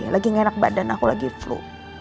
lagi gak enak badan aku lagi flu